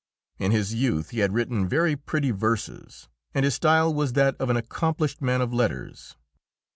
In his youth he had written very pretty verses, and his style was that of an accomplished man of letters.